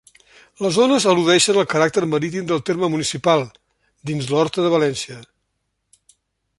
Les ones al·ludeixen al caràcter marítim del terme municipal, dins l'Horta de València.